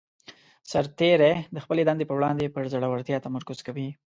سرتیری د خپلې دندې په وړاندې پر زړه ورتیا تمرکز کوي.